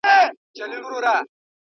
که وخت وي، زده کړه کوم،